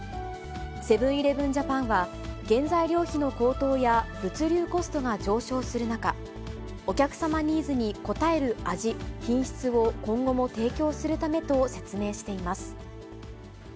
セブンーイレブン・ジャパンは、原材料費の高騰や物流コストが上昇する中、お客様ニーズに応える味、品質を今後も提供するためと説明しています。